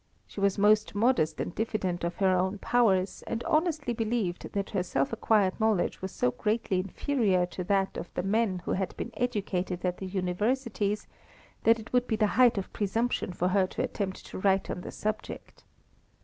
She was most modest and diffident of her own powers, and honestly believed that her self acquired knowledge was so greatly inferior to that of the men who had been educated at the universities, that it would be the height of presumption for her to attempt to write on the subject.